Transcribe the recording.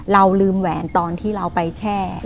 เราลืมแหวนตอนที่เราไปแช่